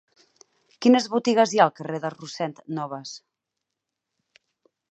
Quines botigues hi ha al carrer de Rossend Nobas?